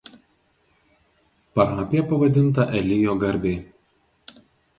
Parapija pavadinta Elijo garbei.